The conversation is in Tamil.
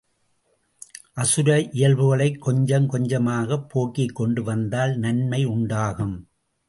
அசுர இயல்புகளைக் கொஞ்சங் கொஞ்சமாகப் போக்கிக் கொண்டு வந்தால் நன்மை உண்டாகும்.